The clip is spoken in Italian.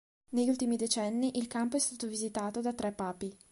Negli ultimi decenni, il campo è stato visitato da tre papi.